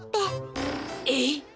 えっ？